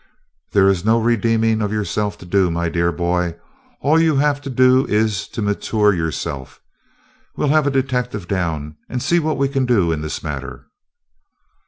"There is no redeeming of yourself to do, my dear boy; all you have to do is to mature yourself. We 'll have a detective down and see what we can do in this matter."